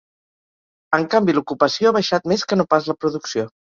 En canvi, l’ocupació ha baixat més que no pas la producció.